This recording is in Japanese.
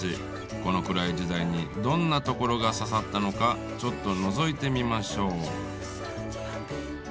この暗い時代にどんなところが刺さったのかちょっとのぞいてみましょう。